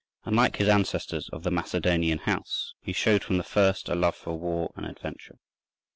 Unlike his ancestors of the Macedonian house, he showed from the first a love for war and adventure.